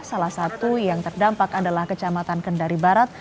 salah satu yang terdampak adalah kecamatan kendari barat